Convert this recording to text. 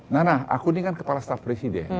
nah nah aku ini kan kepala staff presiden